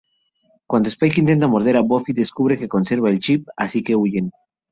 Cuando Spike intenta morder a Buffy descubre que conserva el chip, así que huyen.